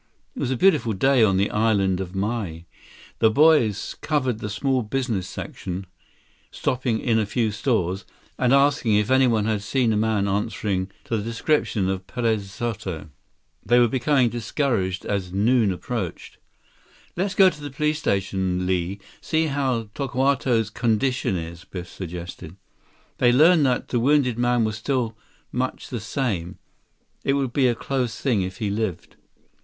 It was a beautiful day on the Island of Maui. The boys covered the small business section, stopping in a few stores, and asking if anyone had seen a man answering to the description of Perez Soto. They were becoming discouraged as noon approached. "Let's go to the police station, Li. See how Tokawto's condition is," Biff suggested. They learned that the wounded man was still much the same. It would be a close thing if he lived.